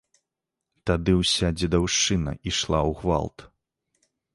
Тады ўся дзедаўшчына ішла ў гвалт.